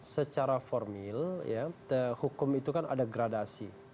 secara formil hukum itu kan ada gradasi